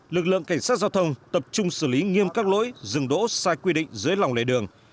lực lượng cảnh sát giao thông tập trung xử lý nghiêm các lỗi dừng đỗ sai quy định dưới lòng lề đường